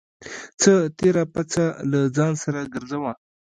څه تېره پڅه له ځان سره گرځوه.